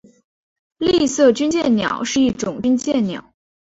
丽色军舰鸟是一种军舰鸟。